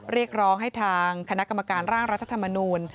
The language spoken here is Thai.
เรียกร้องให้ทางคณะกรรมการร่างรัฐธรรมนูล